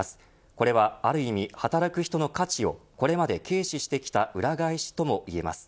これはある意味、働く人の価値をこれまで軽視してきた裏返しともいえます。